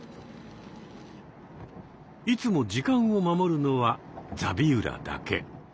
いつも時間を守るのはザビウラだけ。